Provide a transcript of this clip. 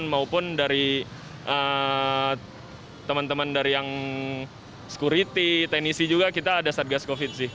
maupun dari teman teman dari yang security teknisi juga kita ada satgas covid sih